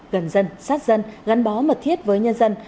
gần dân sát dân gắn bó mật thiết với nhân dân